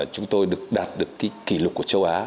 chúng tôi được đạt được cái kỷ lục của châu á